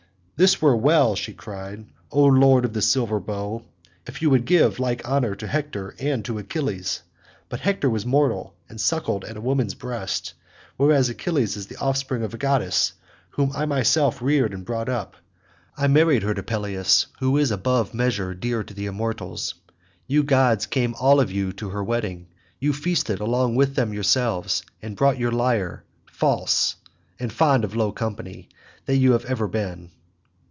"This were well," she cried, "O lord of the silver bow, if you would give like honour to Hector and to Achilles; but Hector was mortal and suckled at a woman's breast, whereas Achilles is the offspring of a goddess whom I myself reared and brought up. I married her to Peleus, who is above measure dear to the immortals; you gods came all of you to her wedding; you feasted along with them yourself and brought your lyre—false, and fond of low company, that you have ever been."